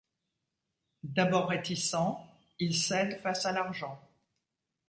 D'abord réticent, il cède face à l'argent.